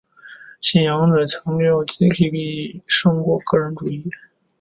信仰者强调集体利益胜过个人主义。